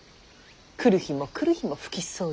来る日も来る日も拭き掃除。